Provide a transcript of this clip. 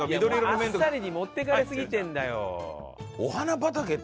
もう「あっさり」に持っていかれすぎてんだよ。